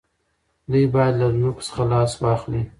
دوی باید له ځمکو څخه لاس واخلي.